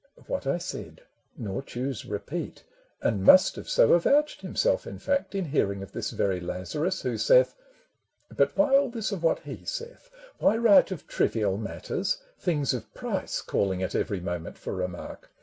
. what I said nor choose repeat, And must have so avouched himself, in fact, In hearing of this very Lazarus Who saith — but why all this of what he saith ? Why write of trivial matters, things of price Calling at every moment for remark?